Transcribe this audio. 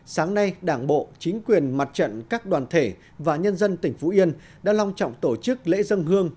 sáng nay đảng bộ chính quyền mặt trận các đoàn thể và nhân dân tỉnh phú yên đã long trọng tổ chức lễ dân hương